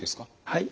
はい。